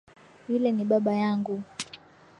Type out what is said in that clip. Yule ni baba yangu.